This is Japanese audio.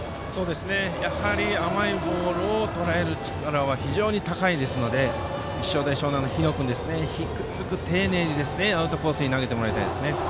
やはり甘いボールをとらえる力は非常に高いですので立正大淞南の日野君、低く丁寧にアウトコースに投げてもらいたいです。